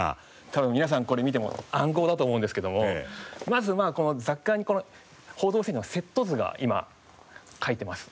多分皆さんこれ見ても暗号だと思うんですけどもまずまあこの『報道ステ』のセット図が今描いてます。